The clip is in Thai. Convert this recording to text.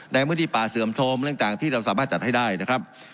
ในพื้นที่ป่าเสื่อมโทรมเรื่องต่างที่เราสามารถจัดให้ได้นะครับ